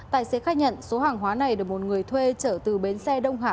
tài xế khách nhận số hàng hóa này được một người thuê trở từ bến xe đông hả